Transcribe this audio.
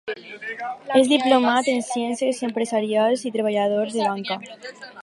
És diplomat en Ciències Empresarials i treballador de Banca.